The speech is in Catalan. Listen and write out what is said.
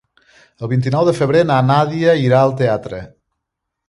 El vint-i-nou de febrer na Nàdia irà al teatre.